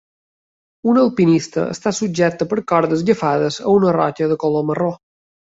Un alpinista està subjecte per cordes agafades a una roca de color marró.